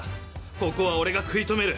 ここは俺が食い止める